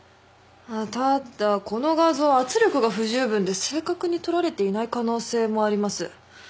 ただこの画像圧力が不十分で正確に撮られていない可能性もあります。